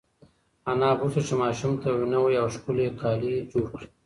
انا غوښتل چې ماشوم ته یو نوی او ښکلی کالي جوړ کړي.